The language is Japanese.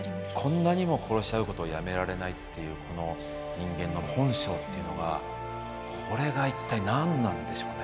こんなにも殺し合うことをやめられないっていうこの人間の本性っていうのがこれが一体何なんでしょうね。